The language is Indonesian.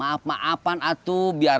gue putih ya enak aja lu item